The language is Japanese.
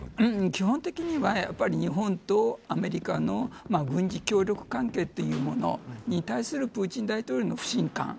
基本的には日本とアメリカの軍事協力関係というものに対するプーチン大統領の不信感。